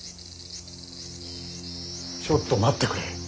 ちょっと待ってくれ。